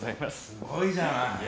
すごいじゃない。